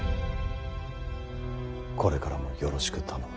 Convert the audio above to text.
これからもよろしく頼む。